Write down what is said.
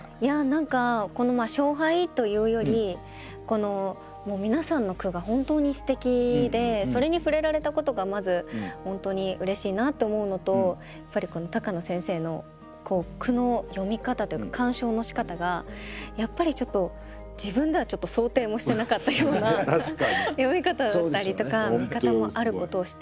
何か勝敗というよりもう皆さんの句が本当にすてきでそれに触れられたことがまず本当にうれしいなと思うのとやっぱりこの高野先生の句の読み方というか鑑賞のしかたがやっぱりちょっと自分ではちょっと想定もしてなかったような読み方だったりとか見方もあることを知って。